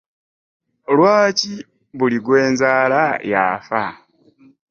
Lwaki buli gwe nzaala y'afa?